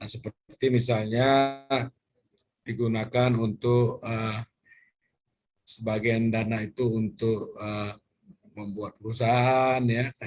seperti misalnya digunakan untuk sebagian dana itu untuk membuat perusahaan